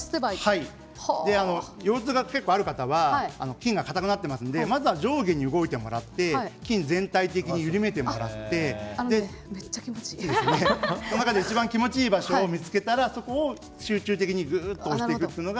腰痛が結構ある方は筋肉が硬くなっているのでまずは上下に動いてもらって全体的に緩めてもらってその中でいちばん気持ちのいい場所を見つけたらそこを集中的にぐっと押していく。